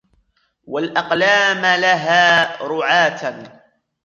وَالْأَقْلَامَ لَهَا رُعَاةً